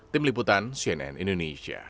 tim liputan cnn indonesia